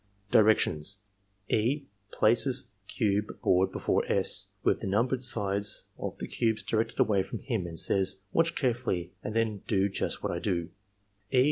Directions, — E. places the cube board before S., with the numbered side of the cubes directed away from him, and says: " Watdi carefully and then do just what I do^ E.